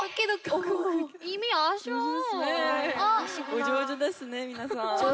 お上手ですね皆さん。